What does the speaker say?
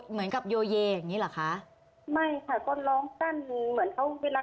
เหมือนกับโยเยอย่างนี้หรอคะ